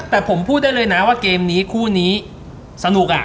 แต่ผมพูดได้เลยนะว่าเกมนี้คู่นี้สนุกอ่ะ